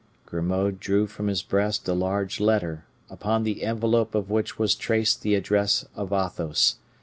Grimaud drew from his breast a large letter, upon the envelope of which was traced the address of Athos.